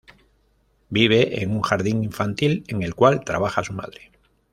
Vive en un Jardín Infantil, en el cual trabaja su madre.